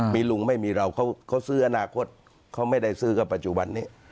มีลุงไม่มีเราเขาซื้ออนาคตเขาไม่ได้ซื้อกับปัจจุบันนี้